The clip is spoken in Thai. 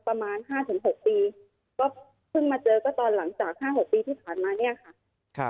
ก็เพิ่งมาเจอก็ตอนหลังจาก๕๖ปีที่ผ่านมาเนี่ยค่ะ